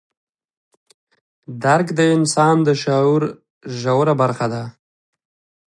درک د انسان د شعور ژوره برخه ده.